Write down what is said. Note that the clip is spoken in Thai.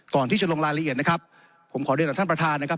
ก่อนที่จะลงรายละเอียดนะครับผมขอเรียนกับท่านประธานนะครับ